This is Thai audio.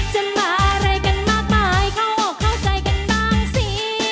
จะมาอะไรกันมากมายเข้าออกเข้าใจกันบ้างสิ